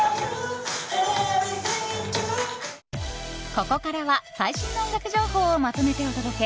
ここからは最新の音楽情報をまとめてお届け。